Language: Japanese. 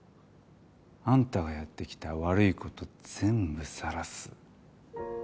あんたがやってきた悪いこと全部さらす